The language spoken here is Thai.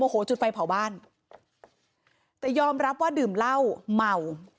โอ้โหจุดไฟเผาบ้านแต่ยอมรับว่าดื่มเหล้าเมา